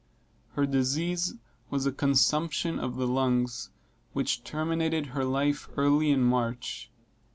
Her disease was a consumption of the lungs, which terminated her life early in March.